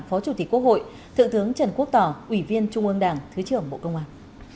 phó chủ tịch quốc hội thượng tướng trần quốc tỏ ủy viên trung ương đảng thứ trưởng bộ công an